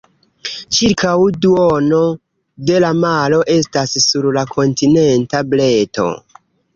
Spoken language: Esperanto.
Ĉirkaŭ duono de la maro estas sur la kontinenta breto.